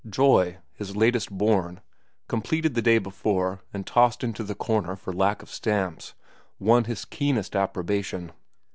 "Joy," his latest born, completed the day before and tossed into the corner for lack of stamps, won his keenest approbation.